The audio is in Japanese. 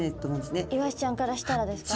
イワシちゃんからしたらですか？